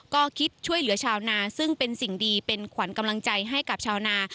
ก็คิดช่วยเหลือชาวนาซึ่งเป็นสิ่งดีเป็นขวัญกำลังใจให้กับชาวนา